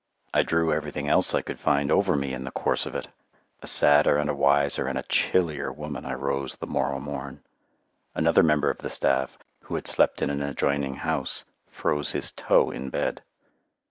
I drew everything else I could find over me in the course of it. A sadder and a wiser and a chillier woman I rose the morrow morn. Another member of the staff, who had slept in an adjoining house, froze his toe in bed.